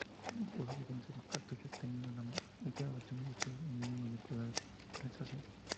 Usó diferentes cartuchos, teniendo la última versión de estos un mayor poder de penetración.